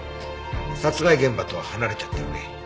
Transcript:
殺害現場とは離れちゃってるね。